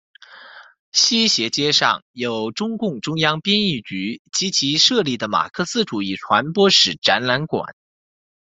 西斜街上有中共中央编译局及其设立的马克思主义传播史展览馆。